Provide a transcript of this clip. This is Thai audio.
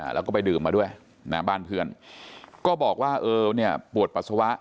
แล้วก็ไปดื่มมาด้วยนะบ้านเพื่อนก็บอกว่าเออเนี่ยปวดปัสสาวะ